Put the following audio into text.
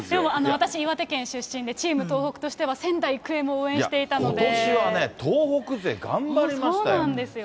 私、岩手県出身で、チーム東北としては、仙台育英も応援してことしはね、東北勢、頑張りそうなんですよ。